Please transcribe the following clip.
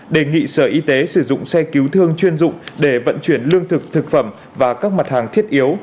đề nghị sở y tế sử dụng xe cứu thương chuyên dụng để vận chuyển lương thực thực phẩm và các mặt hàng thiết yếu